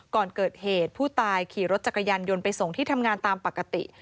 ก่อนเกิดเหตุผู้ตายขี่รถจักรยานยนต์ไปส่งที่ทำงานตามปกติ